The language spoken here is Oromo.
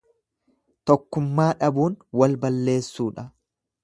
Tokkummaa dhabuun wal balleessuudha.